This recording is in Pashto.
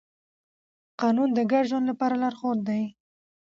قانون د ګډ ژوند لپاره لارښود دی.